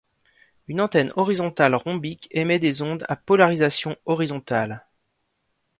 Une antenne horizontale rhombique émet des ondes à polarisation horizontale.